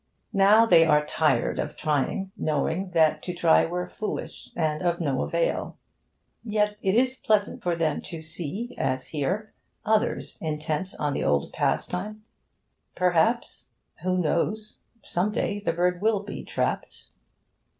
Now they are tired of trying, knowing that to try were foolish and of no avail. Yet it is pleasant for them to see, as here, others intent on the old pastime. Perhaps who knows? some day the bird will be trapped...